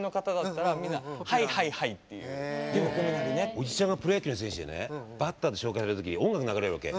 おじちゃんがプロ野球の選手でねバッターで紹介入れる時音楽が流れるわけ。